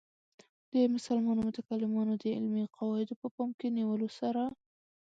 د مسلمانو متکلمانو د علمي قواعدو په پام کې نیولو سره.